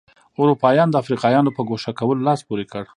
اروپایانو د افریقایانو په ګوښه کولو لاس پورې کړ.